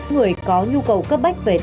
người có nhu cầu cấp bách về tài liệu